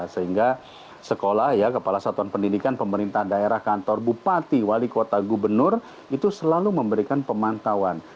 sehingga sekolah ya kepala satuan pendidikan pemerintah daerah kantor bupati wali kota gubernur itu selalu memberikan pemantauan